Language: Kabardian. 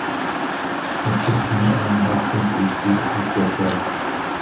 Насып зимыӏэм, махъшэм тесууи, хьэр къодзакъэ.